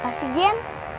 kenapa sih jen